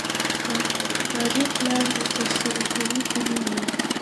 کاري پلان د ترسره کوونکي نوم لري.